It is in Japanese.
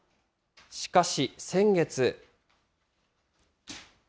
しかし、先月。